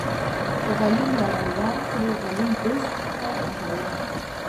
که غليم لره يې ورکړې غليم دوست کا په هوا